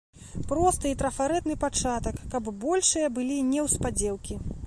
Просты і трафарэтны пачатак, каб большыя былі неўспадзеўкі.